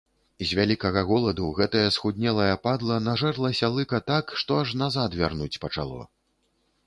З вялікага голаду гэтая схуднелая падла нажэрлася лыка так, што аж назад вярнуць пачало.